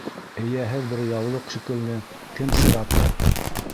Эйәһеҙ бер яулыҡ шикелле, Кем сираты?..